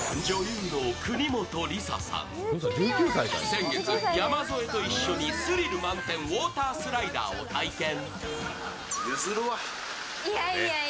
先月、山添と一緒にスリル満点ウォータースライダーを体験。